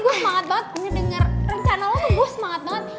gue semangat banget denger rencana lo tuh